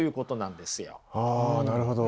あなるほど。